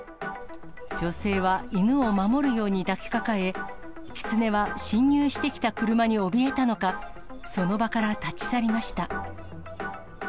女性は犬を守るように抱きかかえ、キツネは進入してきた車におびえたのか、その場から立ち去りました。